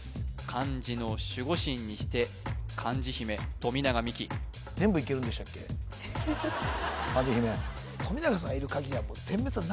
漢字の守護神にして漢字姫富永美樹漢字姫そうなんだよね